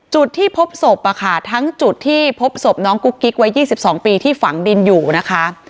จุดที่พบศพอ่ะค่ะทั้งจุดที่พบศพน้องกุ๊กกิ๊กไว้ยี่สิบสองปีที่ฝังดินอยู่นะคะ